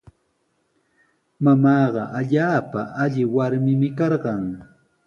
Mamaaqa allaapa alli warmimi karqan.